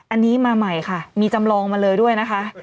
อันนี้มาใหม่ค่ะมีจำลองมาเลยด้วยนะคะ